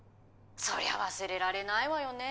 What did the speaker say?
そりゃ忘れられないわよね